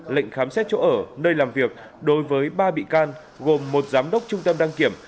lệnh khám xét chỗ ở nơi làm việc đối với ba bị can gồm một giám đốc trung tâm đăng kiểm